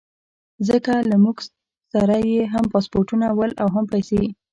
ځکه له موږ سره هم پاسپورټونه ول او هم پیسې.